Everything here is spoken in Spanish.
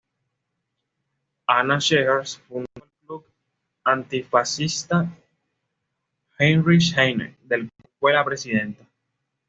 Anna Seghers fundó el club antifascista Heinrich Heine, del cual fue la presidenta.